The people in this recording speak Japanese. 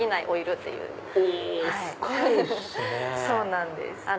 そうなんです。